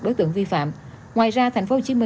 đối tượng vi phạm ngoài ra tp hcm